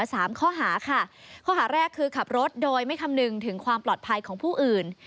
สามข้อหาค่ะข้อหาแรกคือขับรถโดยไม่คำนึงถึงความปลอดภัยของผู้อื่น